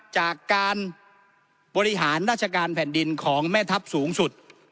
จากการบริหารราชการแผ่นดินของแม่ทัพสูงสุด